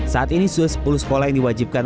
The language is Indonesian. saat ini sudah sepuluh sekolah yang diwajibkan